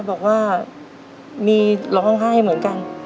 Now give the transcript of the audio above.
บอกว่ามีร้องไห้เหมือนกัน